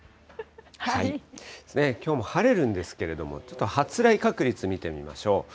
きょうも晴れるんですけれども、ちょっと発雷確率見てみましょう。